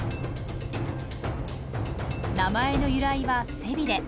名前の由来は背ビレ。